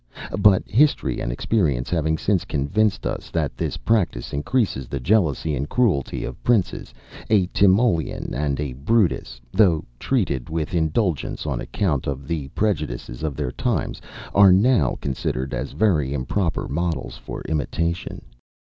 But history and experience having since convinced us, that this practice increases the jealousy and cruelty of princes, a Timoleon and a Brutus, though treated with indulgence on account of the prejudices of their times, are now considered as very improper models for imitation.